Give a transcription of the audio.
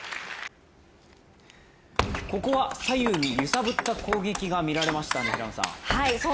ここは左右に揺さぶった攻撃が見られましたね。